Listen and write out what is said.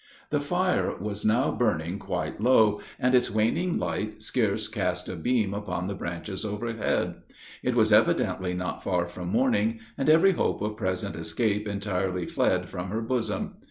The fire was now burning quite low, and its waning light scarce cast a beam upon the branches overhead. It was evidently not far from morning, and every hope of present escape entirely fled from her bosom.